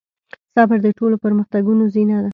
صبر د ټولو پرمختګونو زينه ده.